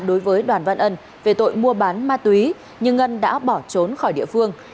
đối với đoàn văn ân về tội mua bán ma túy nhưng ngân đã bỏ trốn khỏi địa phương